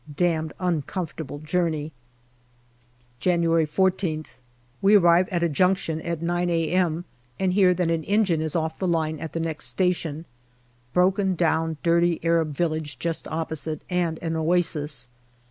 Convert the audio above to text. Damned uncomfortable journey. January I4>th. We arrive at a junction at 9 a.m., and hear that an engine is off the line at the next station. Broken down, dirty Arab village just opposite, and an oasis.